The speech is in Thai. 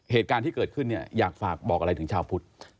เหตุการณ์ที่เกิดขึ้นเนี่ยอยากฝากบอกอะไรถึงชาวพุทธ